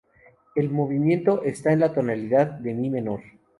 El movimiento está en la tonalidad de "mi" menor.